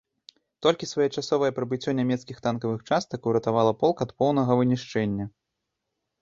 Толькі своечасовае прыбыццё нямецкіх танкавых частак уратавала полк ад поўнага вынішчэння.